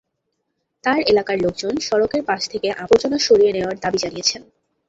তাঁর এলাকার লোকজন সড়কের পাশ থেকে আবর্জনা সরিয়ে নেওয়ার দাবি জানিয়েছেন।